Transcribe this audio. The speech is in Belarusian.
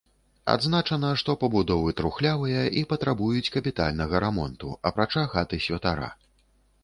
Адзначана, што пабудовы трухлявыя і патрабуюць капітальнага рамонту, апрача хаты святара.